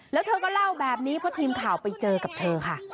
แล้วเธอก็เล่าแบบนี้เพราะทีมข่าวไปเจอกับเธอค่ะ